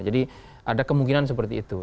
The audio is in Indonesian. jadi ada kemungkinan seperti itu